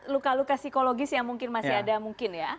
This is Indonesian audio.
luka luka psikologis yang mungkin masih ada mungkin ya